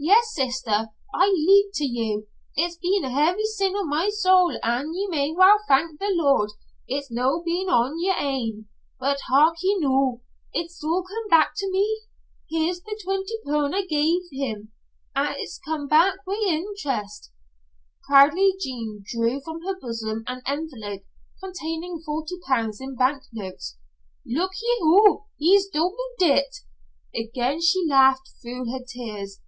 "Yes, sister; I lee'd to ye. It's been a heavy sin on my soul an' ye may well thank the Lord it's no been on yer ain. But hark ye noo. It's all come back to me. Here's the twenty pun' I gave him. It's come back wi' interest." Proudly Jean drew from her bosom an envelope containing forty pounds in bank notes. "Look ye, hoo he's doubl't it?" Again she laughed through her tears.